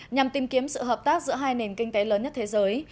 nhằm tìm kiếm sự hợp tác giữa hai nền kinh tế lớn nhất thế giới